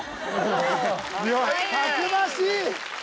たくましい！